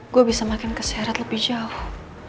gue bisa makin keseret lebih jauh